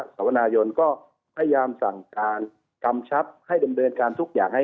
เพราะว่าเราก็ใจว่าวันนี้พี่น้องจะชนได้รับความเดือดร้อนอย่างมาก